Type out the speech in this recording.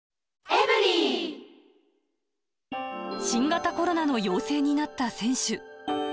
新型コロナの陽性になった選手。